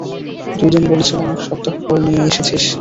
দুইদিন বলেছিলাম, এক সপ্তাহ পর নিয়ে এসেছিস।